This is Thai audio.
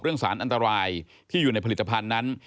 สารอันตรายที่อยู่ในผลิตภัณฑ์นั้น